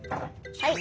はい。